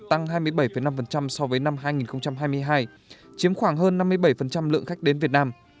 tăng hai mươi bảy năm so với năm hai nghìn hai mươi hai chiếm khoảng hơn năm mươi bảy lượng khách đến việt nam